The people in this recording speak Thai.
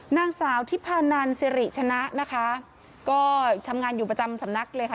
นางสาวทิพานันสิริชนะนะคะก็ทำงานอยู่ประจำสำนักเลยค่ะ